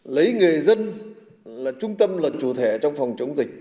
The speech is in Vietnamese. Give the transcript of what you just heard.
lấy người dân là trung tâm lợi